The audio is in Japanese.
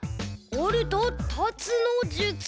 おるとたつのじゅつ。